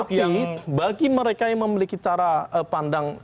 tetapi bagi mereka yang memiliki cara mencari ceruk loyal itu tidak akan tetap loyal disana